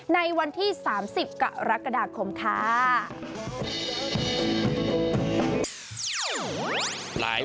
ในวันที่๓๐กรกฎาคมค่ะ